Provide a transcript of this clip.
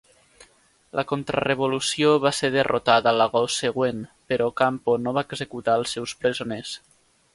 La contrarevolució va ser derrotada l'agost següent, però Ocampo no va executar els seus presoners.